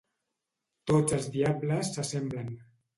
Tots els diables s'assemblen.